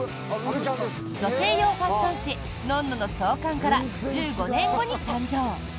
女性用ファッション誌「ｎｏｎ−ｎｏ」の創刊から１５年後に誕生。